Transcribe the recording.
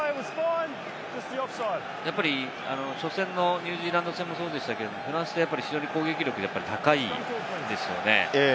やっぱり初戦のニュージーランド戦もそうでしたけれど、フランスは攻撃力が非常に高いですよね。